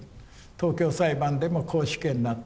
東京裁判でも絞首刑になった。